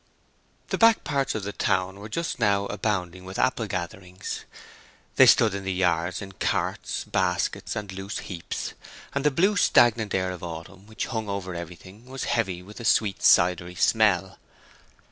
The back parts of the town were just now abounding with apple gatherings. They stood in the yards in carts, baskets, and loose heaps; and the blue, stagnant air of autumn which hung over everything was heavy with a sweet cidery smell.